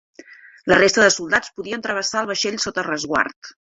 La resta de soldats podien travessar el vaixell sota resguard.